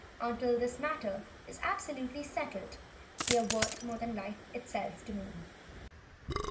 Until this matter is absolutely settled, they are worth more than life itself to me."